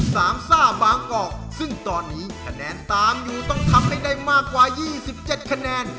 ซ่าบางกอกซึ่งตอนนี้คะแนนตามอยู่ต้องทำให้ได้มากกว่ายี่สิบเจ็ดคะแนน